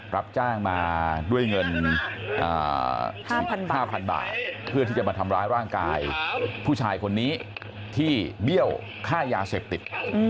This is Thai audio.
รับจ้างมาด้วยเงิน๕๐๐๐บาทเพื่อที่จะมาทำร้ายร่างกายผู้ชายคนนี้ที่เบี้ยวค่ายาเสพติด